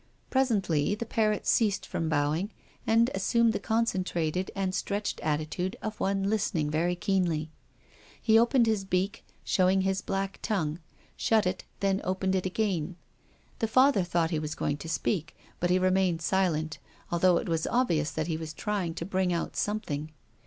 Presently the parrot ceased from bowing, and assumed the concentrated and stretched attitude of one listen ing very keenly. He opened his beak, showing his black tongue, shut it, then opened it again. The Father thought he was going to speak, but he remained silent, although it was obvious that he was trying to bring out something.